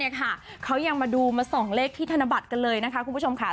เนี่ยค่ะขนาดแม่เนี่ยค่ะเขายังมาดูมาส่งเลขที่ธนบัตรกันเลยนะคะคุณผู้ชมค่ะ